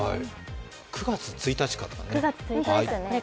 ９月１日からだね。